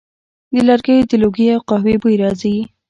د لرګیو د لوګي او قهوې بوی راځي